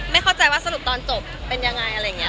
เข้าใจว่าสรุปตอนจบเป็นยังไงอะไรอย่างนี้